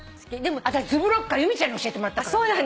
私ズブロッカは由美ちゃんに教えてもらったから。